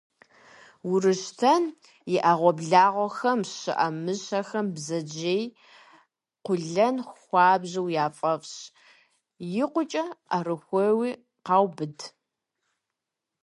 Уруштен и Ӏэгъуэблагъэхэм щыӀэ мыщэхэм бдзэжьей къуэлэн хуабжьу яфӀэфӀщ, икъукӀэ Ӏэрыхуэуи къаубыд.